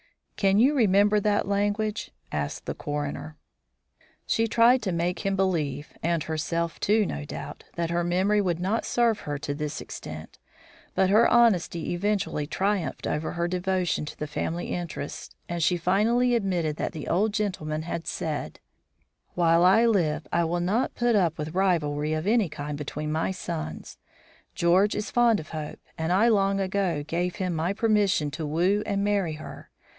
"Can you remember that language?" asked the coroner. She tried to make him believe, and herself too, no doubt, that her memory would not serve her to this extent; but her honesty eventually triumphed over her devotion to the family interests, and she finally admitted that the old gentleman had said: "While I live I will not put up with rivalry of any kind between my sons. George is fond of Hope, and I long ago gave him my permission to woo and marry her.